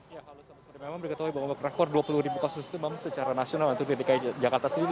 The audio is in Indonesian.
ya halo selamat sore memang beritahu saya bahwa rekor dua puluh ribu kasus itu memang secara nasional dan itu dki jakarta sendiri